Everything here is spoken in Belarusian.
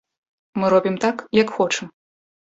Мы робім так, як хочам.